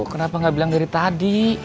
kenapa nggak bilang dari tadi